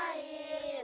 indonesia tanah airku